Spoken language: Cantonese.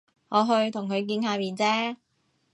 我去同佢見下面啫